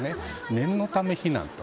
念のため、避難と。